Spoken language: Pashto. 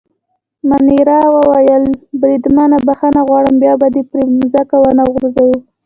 مانیرا وویل: بریدمنه بخښنه غواړم، بیا به دي پر مځکه ونه غورځوو.